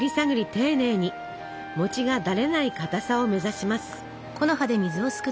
丁寧に。がダレないかたさを目指します。